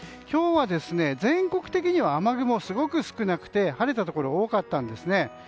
今日は全国的には雨雲がすごく少なくなくて晴れたところが多かったんですね。